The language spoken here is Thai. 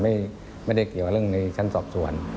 ไม่ได้เกี่ยวกับเรื่องในชั้นสอบสวน